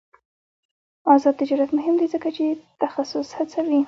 آزاد تجارت مهم دی ځکه چې تخصص هڅوي.